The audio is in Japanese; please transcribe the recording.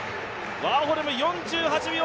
ワーホルム、４８秒００！